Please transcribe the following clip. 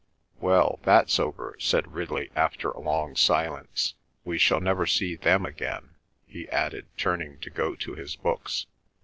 "Well, that's over," said Ridley after a long silence. "We shall never see them again," he added, turning to go to his books.